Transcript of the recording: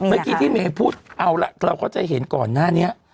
เมื่อกี้ที่เมย์พูดเอาละเราก็จะเห็นก่อนหน้านี้